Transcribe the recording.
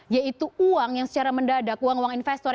yaitu uang yang secara mendadak uang uang investor